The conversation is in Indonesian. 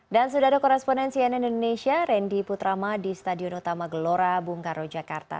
dan sudah ada koresponensi ann indonesia randy putrama di stadion utama gelora bung karno jakarta